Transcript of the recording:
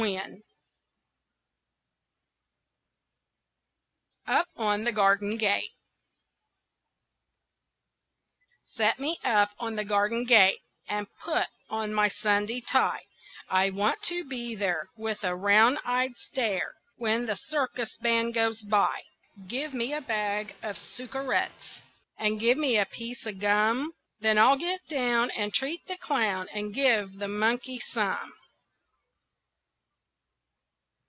[Illustration: I'LL TREAT THE CLOWN] UP ON THE GARDEN GATE Set me up on the garden gate And put on my Sunday tie; I want to be there With a round eyed stare When the circus band goes by. Give me a bag of suckerettes And give me a piece of gum, Then I'll get down And treat the clown, And give the monkey some.